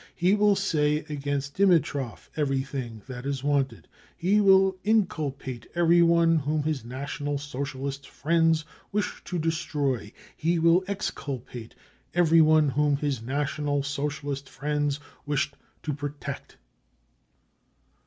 He will say against Dimitrov everything that is wanted. He will inculpate everyone whom his National Socialist friends wish to destroy. He will exculpate everyone whom his National Socialist friends wish to protect.